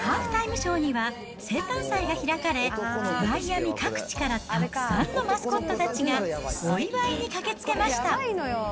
ショーには、生誕祭が開かれ、マイアミ各地からたくさんのマスコットたちがお祝いに駆けつけました。